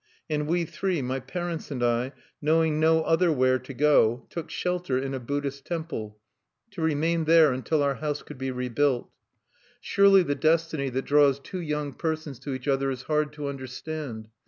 And we three, my parents and I, knowing no otherwhere to go, took shelter in a Buddhist temple, to remain there until our house could be rebuilt. "Surely the destiny that draws two young persons to each other is hard to understand!...